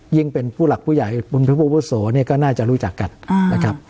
ยิ่งเป็นผู้หลักผู้ใหญ่ผู้โศกก็น่าจะรู้จักกันนะครับ